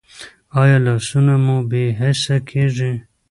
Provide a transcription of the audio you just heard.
ایا لاسونه مو بې حسه کیږي؟